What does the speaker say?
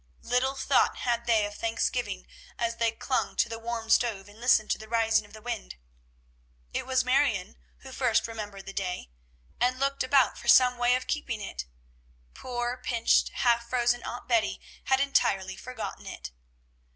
Little thought had they of Thanksgiving, as they clung to the warm stove and listened to the rising of the wind. It was Marion who first remembered the day, and looked about for some way of keeping it. Poor, pinched, half frozen Aunt Betty had entirely forgotten it.